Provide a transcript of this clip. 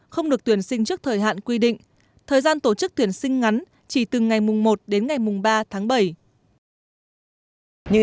không được tuyển sinh trước thời hạn quy định thời gian tổ chức tuyển sinh ngắn chỉ từ ngày mùng một đến ngày mùng ba tháng bảy